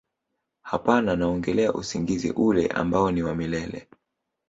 hapana naongelea usingizi ule ambao ni wa milele